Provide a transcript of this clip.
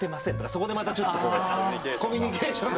そこでまたちょっとこうコミュニケーションが。